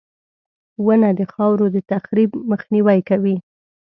• ونه د خاورو د تخریب مخنیوی کوي.